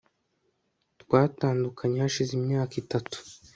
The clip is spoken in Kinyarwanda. twatandukanye hashize imyaka itatu